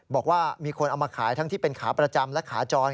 บอกว่ามีคนเอามาขายทั้งที่เป็นขาประจำและขาจร